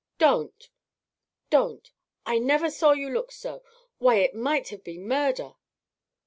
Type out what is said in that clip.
"Don't! Don't! I never saw you look so. Why, it might have been murder!"